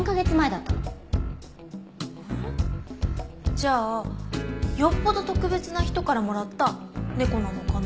じゃあよっぽど特別な人からもらった猫なのかな？